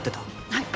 はい。